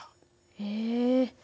へえ。